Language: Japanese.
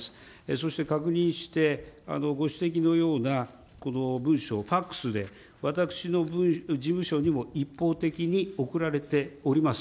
そして確認して、ご指摘のようなこの文書、ファックスで、私の事務所にも一方的に送られております。